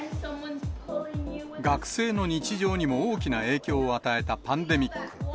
学生の日常にも大きな影響を与えたパンデミック。